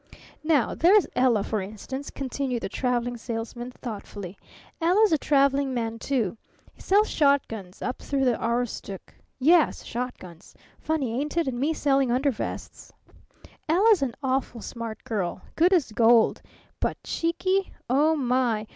"Now there's Ella, for instance," continued the Traveling Salesman thoughtfully. "Ella's a traveling man, too. Sells shotguns up through the Aroostook. Yes, shotguns! Funny, ain't it, and me selling undervests? Ella's an awful smart girl. Good as gold. But cheeky? Oh, my!